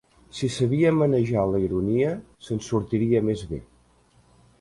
Si sabia manejar la ironia se'n sortiria més bé.